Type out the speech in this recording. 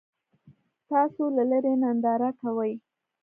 تاسو له لرې ننداره کوئ.